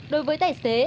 đối với tài xế